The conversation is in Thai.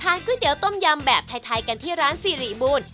ทานก๋วยเตี๋ยวต้มยำแบบไทยกันที่ร้านซีรีบูน